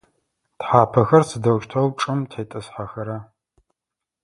Тхьапэхэр сыдэущтэу чӏым тетӏысхьэхэра?